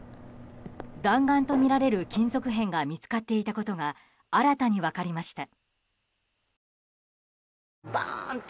弾丸とみられる金属片が見つかっていたことが新たに分かりました。